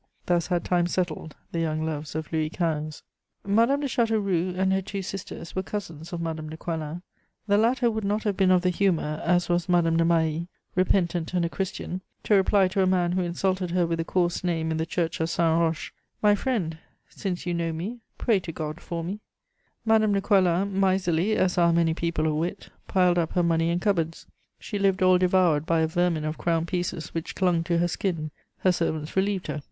Thus had time settled the young loves of Louis XV. Madame de Châteauroux and her two sisters were cousins of Madame de Coislin; the latter would not have been of the humour, as was Madame de Mailly, repentant and a Christian, to reply to a man who insulted her with a coarse name in the church of Saint Roch: "My friend, since you know me, pray to God for me." Madame de Coislin, miserly as are many people of wit, piled up her money in cupboards. She lived all devoured by a vermin of crown pieces which clung to her skin; her servants relieved her.